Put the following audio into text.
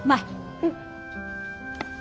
うん。